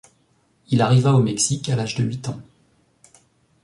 Il arriva au Mexique à l'âge de huit ans.